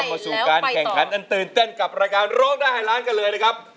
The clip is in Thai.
มาสู่การแข่งขันอันตื่นเต้นกับรายการร้องได้ให้ล้านกันเลยนะครับ